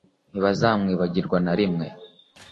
ntibazamwibagirwa na rimwe,